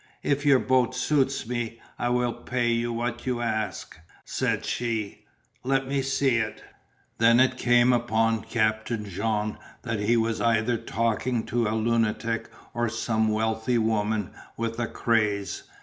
"If your boat suits me, I will pay what you ask," said she, "let me see it." Then it came upon Captain Jean that he was either talking to a lunatic or some wealthy woman with a craze.